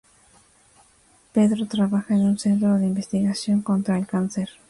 Pedro trabaja en un centro de investigación contra el cáncer.